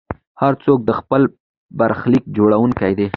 هر څوک د خپل برخلیک جوړونکی دی.